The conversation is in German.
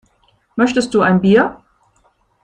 Möchtest du ein Bier?